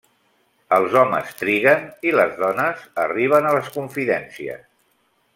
Els homes triguen i les dones arriben a les confidències.